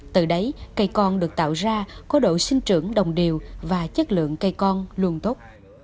từ đấy cây con được tạo ra có độ sinh trưởng đồng điều và chất lượng cây con luôn tốt